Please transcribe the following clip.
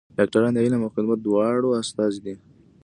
ډاکټران د علم او خدمت دواړو استازي دي.